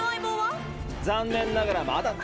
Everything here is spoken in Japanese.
残念ながらまだ。